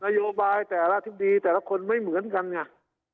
โยบายแต่ละอธิบดีแต่ละคนไม่เหมือนกันไง